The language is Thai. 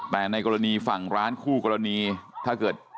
แต่ในกรณีฝั่งร้านคู่กรณีถ้าเกิด